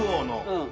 うん。